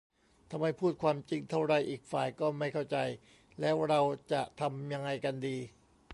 ทำไมพูดความจริงเท่าไรอีกฝ่ายก็ไม่เข้าใจ แล้วเราจะทำยังไงกันดี ?